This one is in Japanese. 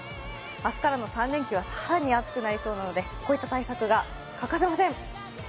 明日からの３連休は更に暑くなりそうなのでこういった対策が欠かせません。